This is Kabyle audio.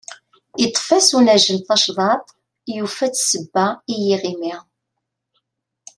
Iṭṭef-as unajjel tacḍaḍt, yufa-d sseba i yiɣimi.